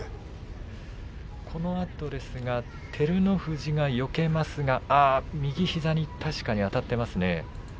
このあと照ノ富士がよけますが右膝にあたっていますね。